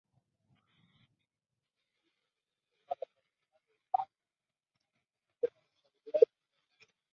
Él fue seleccionado para participar del All-Star de la Tierra por sus habilidades extraordinarias.